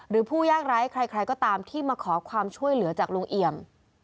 ผู้ยากไร้ใครก็ตามที่มาขอความช่วยเหลือจากลุงเอี่ยม